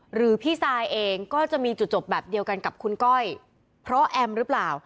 หรือพี่ซายเองก็จะมีจุดจบแบบเดียวกันกับคุณก้อยเพราะแอมหรือเปล่า